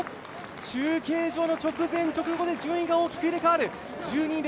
中継所の直前、直後で順位が大きく入れ替わる。